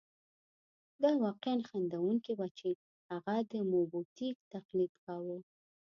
دا واقعاً خندوونکې وه چې هغه د موبوتیک تقلید کاوه.